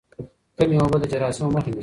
کمې اوبه د جراثیمو مخه نیسي.